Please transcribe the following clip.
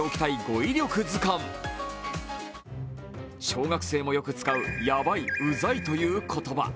小学生もよく使う、やばい、うざいという言葉。